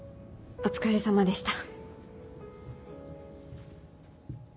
お疲れさまでした。